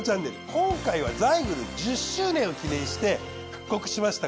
今回はザイグル１０周年を記念して復刻しました